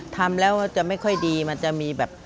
ทำแล้วจะไม่ค่อยดีมันจะมีแบบ